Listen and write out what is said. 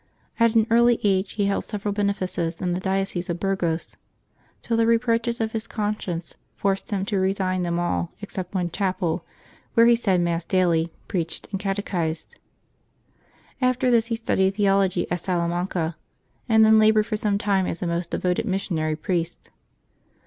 At an early age he held several benefices in the diocese of Burgos, till the reproaches of his conscience forced him to resign them all except one chapel, where he said Mass daily, preached, and catechised. After this he studied theology at Salamanca, and then labored for some time as a most devoted missionary priest.